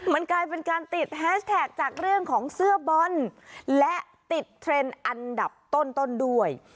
มันกลายเป็นการติดแฮชแท็กจากเรื่องของเสื้อบอลและติดเทรนด์อันดับต้นด้วย